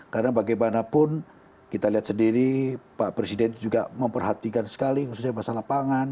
karena bagaimanapun kita lihat sendiri pak presiden juga memperhatikan sekali khususnya masalah pangan